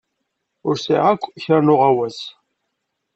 Ur sɛiɣ akk kra n uɣawas.